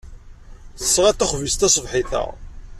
Tesɣa-d taxbizt taṣebḥit-a.